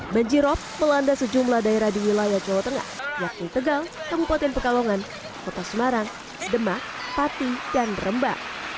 banjirop melanda sejumlah daerah di wilayah jawa tengah yakni tegal kabupaten pekalongan kota semarang demak pati dan remba